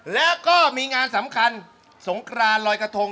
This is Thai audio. แล้วก็มีงานสำคัญสงครานลอยกระทง